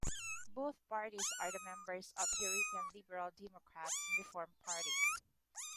Both parties are the members of European Liberal Democrat and Reform Party.